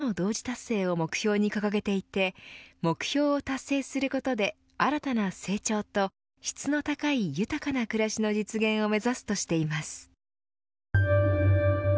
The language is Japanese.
環境白書では脱炭素、循環型経済ネイチャーポジティブの３つの同時達成を目標に掲げていて目標を達成することで新たな成長と質の高い豊かな暮らしの実現を目指すとしています。